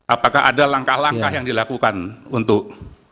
apakah ada langkah langkah yang dilakukan untuk